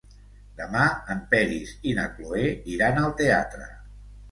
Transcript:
Demà en Peris i na Cloè iran al teatre.